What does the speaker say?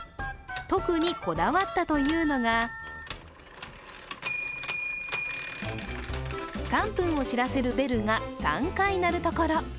特に、こだわったというのが３分を知らせるベルが３回鳴るところ。